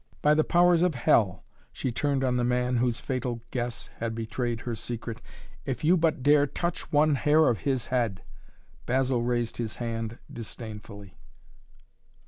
"By the powers of hell," she turned on the man whose fatal guess had betrayed her secret, "if you but dare touch one hair of his head " Basil raised his hand disdainfully.